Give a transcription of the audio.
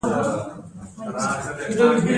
د رازیانې دانه د هورمون لپاره وکاروئ